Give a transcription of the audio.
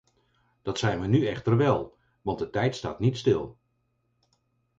Dat zijn we nu echter wel, want de tijd staat niet stil.